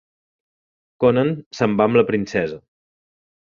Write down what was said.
Conan se'n va amb la princesa.